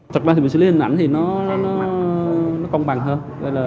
thật ra thì mình xử lý hình ảnh thì nó công bằng hơn